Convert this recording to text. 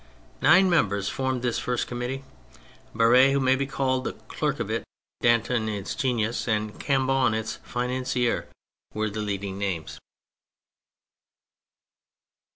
Nine members formed this first Committee : Barere, who may be called the clerk of it, Danton its genius, and Cambou its financier, were the leading names.